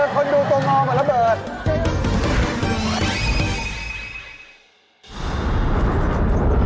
คนดูต่อมองเวลาเบิด